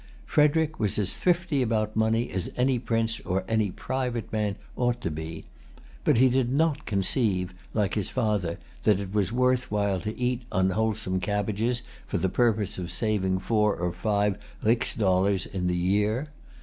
Frederic was as thrifty about money as any prince or any private man ought to be. But he did not conceive, like his[Pg 257] father, that it was worth while to eat unwholesome cabbages for the purpose of saving four or five rix dollars in the year.